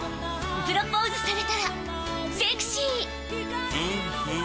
プロポーズされたら「ゼクシィ」！